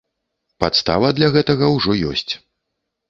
Падстава для гэтага ўжо ёсць.